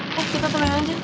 iya eh kita temen aja